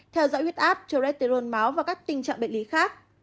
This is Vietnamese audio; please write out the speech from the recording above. theo dõi huyết áp trô rét tê rôn máu và các tình trạng bệnh lý khác